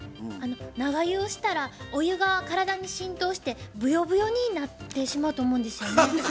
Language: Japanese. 長湯をしたらお湯が体に浸透してブヨブヨになってしまうと思うんですよね。